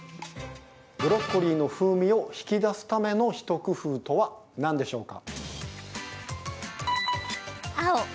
ブロッコリーの風味を引き出すための一工夫とは何でしょうか？